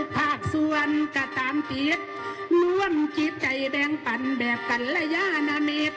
ผากสวนกะตามเตี๊ดร่วมจี๊ดใจแบงปั่นแบบกันละยานเมฆ